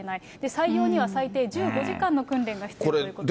採用には最低１５時間の訓練が必要ということです。